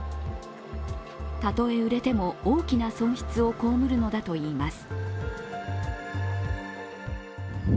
たとえ売れても大きな損失を被るのだといいます。